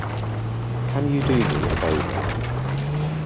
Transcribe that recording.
Can you do me a favor?